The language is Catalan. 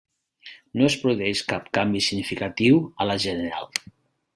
No es produeix cap canvi significatiu a la general.